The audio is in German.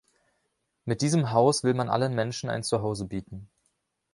Mit diesem Haus will man allen Menschen ein Zuhause bieten.